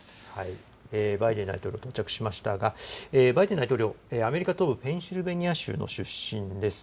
バイデン大統領、到着しましたが、バイデン大統領、アメリカ東部ペンシルベニア州の出身です。